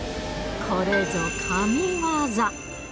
これぞ神業。